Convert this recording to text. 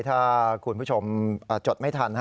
ถ้าคุณผู้ชมจดไม่ทัน